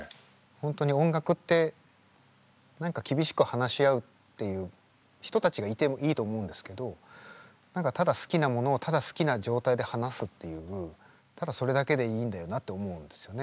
本当に音楽って何か厳しく話し合うっていう人たちがいてもいいと思うんですけど何かただ好きなものをただ好きな状態で話すっていうただそれだけでいいんだよなって思うんですよね。